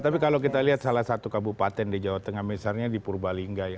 tapi kalau kita lihat salah satu kabupaten di jawa tengah misalnya di purbalingga ya